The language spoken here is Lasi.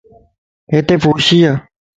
ھتي ڦوشيَ